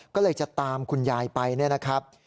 ก็เลยจะตามคุณยายไปนะครับ